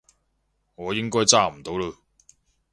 我應該揸唔到嚕